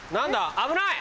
危ない！